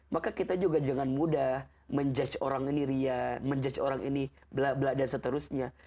maka kita juga jangan mudah menjudge orang ini ria menjudge orang ini bla bla dan seterusnya